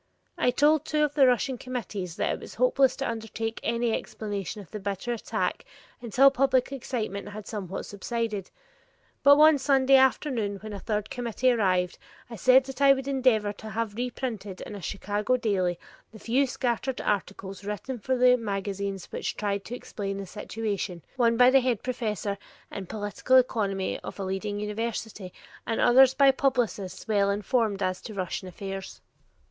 I told two of the Russian committees that it was hopeless to undertake any explanation of the bitter attack until public excitement had somewhat subsided; but one Sunday afternoon when a third committee arrived, I said that I would endeavor to have reprinted in a Chicago daily the few scattered articles written for the magazines which tried to explain the situation, one by the head professor in political economy of a leading university, and others by publicists well informed as to Russian affairs.